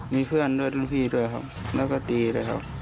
มีเพื่อนด้วยรุ่นพี่ด้วยครับแล้วก็ตีด้วยครับ